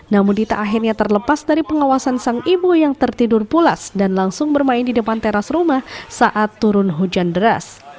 namun dita akhirnya terlepas dari pengawasan sang ibu yang tertidur pulas dan langsung bermain di depan teras rumah saat turun hujan deras